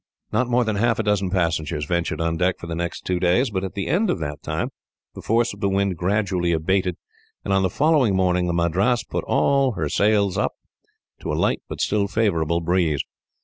Not more than half a dozen passengers ventured on deck, for the next two days, but at the end of that time the force of the wind gradually abated, and on the following morning the Madras had all her sails set, to a light but still favourable breeze.